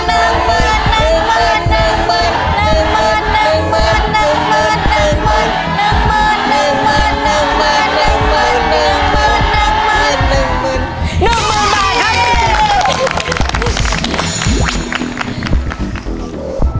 หนึ่งหมื่นบาทครับ